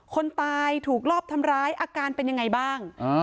คนตายถูกรอบทำร้ายอาการเป็นยังไงบ้าง